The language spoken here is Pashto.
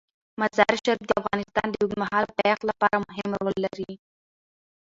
مزارشریف د افغانستان د اوږدمهاله پایښت لپاره مهم رول لري.